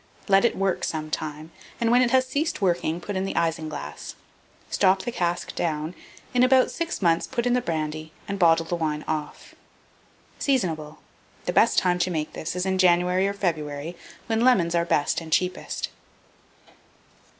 Let it work some time, and when it has ceased working, put in the isinglass. Stop the cask down; in about six months put in the brandy and bottle the wine off. Seasonable. The best time to make this is in January or February, when lemons are best and cheapest.